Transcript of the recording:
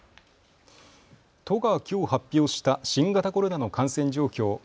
都がきょう発表した新型コロナの感染状況。